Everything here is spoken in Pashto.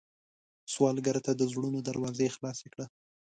سوالګر ته د زړونو دروازې خلاصې کړه